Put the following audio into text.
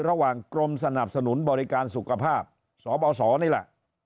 ระหว่างกรมสนับสนุนบริการสุขภาพสบสนี่แหละ